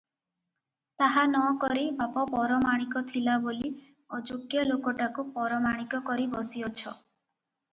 ତାହା ନ କରି ବାପ ପରମାଣିକ ଥିଲା ବୋଲି ଅଯୋଗ୍ୟ ଲୋକଟାକୁ ପରମାଣିକ କରି ବସିଅଛ ।